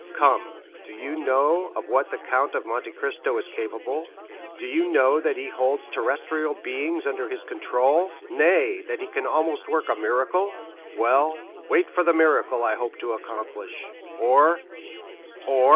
Come—do you know of what the Count of Monte Cristo is capable? do you know that he holds terrestrial beings under his control? nay, that he can almost work a miracle? Well, wait for the miracle I hope to accomplish, or——" "Or?"